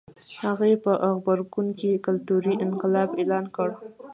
هغه یې په غبرګون کې کلتوري انقلاب اعلان کړ.